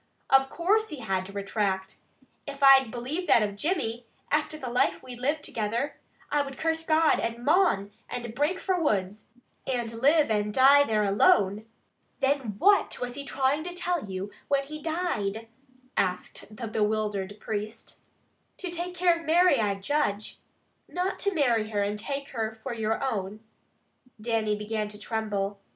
Of course he had to retract! If I believed that of Jimmy, after the life we lived together, I would curse God and mon, and break fra the woods, and live and dee there alone." "Then what was he trying to tell you when he died?" asked the bewildered priest. "To take care of Mary, I judge." "Not to marry her; and take her for your own?" Dannie began to tremble.